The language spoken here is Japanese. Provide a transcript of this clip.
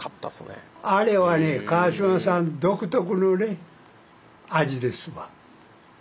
あれはね川島さん独特のね味ですわ。